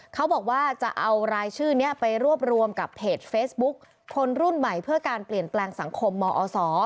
เขาบอกว่าจะเอารายชื่อนี้ไปรวบรวมกับเพจเฟซบุ๊คคนรุ่นใหม่เพื่อการเปลี่ยนแปลงสังคมมอศ